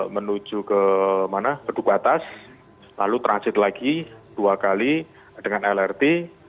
menuju ke mana peduguk atas lalu transit lagi dua kali dengan lrt